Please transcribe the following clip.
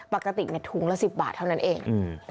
ปกติถุงละ๑๐บาทเท่านั้นเอง